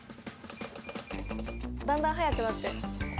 だんだん速くなってる。